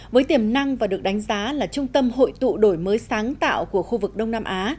với tiềm năng và được đánh giá là trung tâm hội tụ đổi mới sáng tạo của khu vực đông nam á